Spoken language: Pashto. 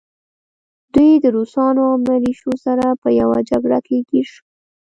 دوی د روسانو او ملیشو سره په يوه جګړه کې ګیر شول